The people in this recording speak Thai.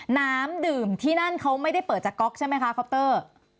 น้ำดื่มที่นั่นเขาไม่ได้เปิดจากก๊อกใช่ไหมคะคอปเตอร์